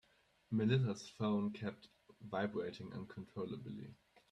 Melissa's phone kept vibrating uncontrollably.